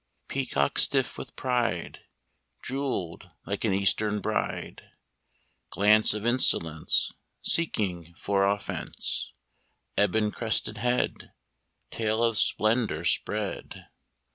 Peacock stiff with pride Jewelled like an eastern bride, Glance of insolence Seeking for offence, Ebon crested head, Tail of splendour spread.